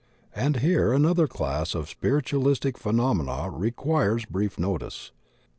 And here another class of spiritualistic phenomena requires brief notice.